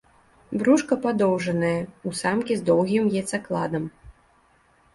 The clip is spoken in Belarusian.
Брушка падоўжанае, у самкі з доўгім яйцакладам.